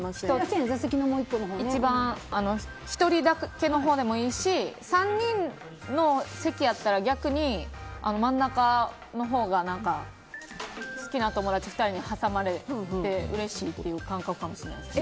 １人だけのほうでもいいし３人の席やったら逆に真ん中のほうが好きな友達２人に挟まれてうれしい感覚かもしれないです。